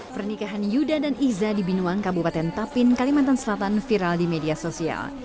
pernikahan yuda dan iza di binuang kabupaten tapin kalimantan selatan viral di media sosial